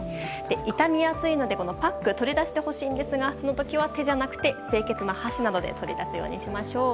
傷みやすいので、パックは取り出してほしいのですがその時は手ではなく清潔な箸などで取り出すようにしましょう。